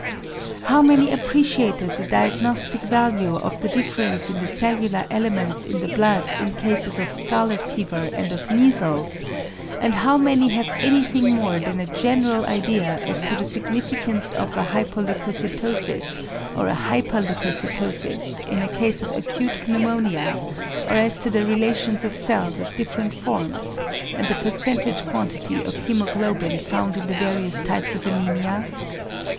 How many appreciated the diagnostic value of the difference in the cellular elements in the blood in cases of scarlet fever and of measles, and how many have anything more than a general idea as to the significance of a hypoleucocytosis or a hyperleucocytosis in a case of acute pneumonia, or as to the relations of cells of different forms and the percentage quantity of hæmoglobin found in the various types of anæmia?